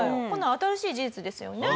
新しい事実ですよね。